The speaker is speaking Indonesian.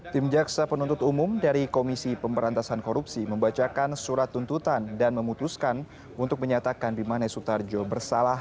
tim jaksa penuntut umum dari komisi pemberantasan korupsi membacakan surat tuntutan dan memutuskan untuk menyatakan bimanes sutarjo bersalah